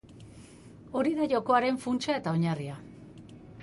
Hori da jokoaren funtsa eta oinarria.